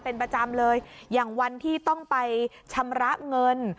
เป็นประจำเลยอย่างวันที่ต้องไปชำระเงิน